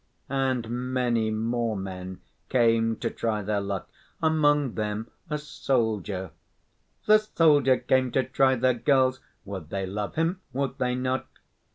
And many more men come to try their luck, among them a soldier: The soldier came to try the girls: Would they love him, would they not?